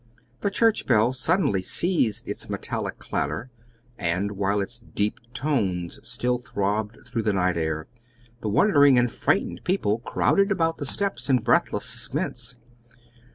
The church bell suddenly ceased its metallic clatter, and while its deep tones still throbbed through the night air, the wondering and frightened people crowded about the steps in breathless suspense.